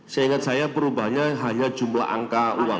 saya ingat saya perubahannya hanya jumlah angka uang